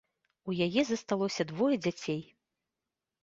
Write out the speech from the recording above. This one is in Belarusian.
У яе засталося двое дзяцей.